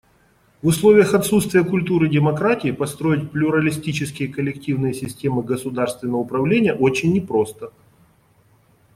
В условиях отсутствия культуры демократии построить плюралистические коллективные системы государственного управления очень не просто.